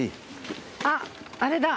あっあれだ。